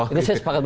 itu saya sepakat